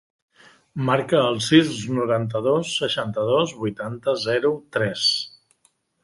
Marca el sis, noranta-dos, seixanta-dos, vuitanta, zero, tres.